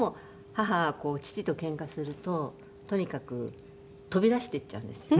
母は父とケンカするととにかく飛び出して行っちゃうんですよ。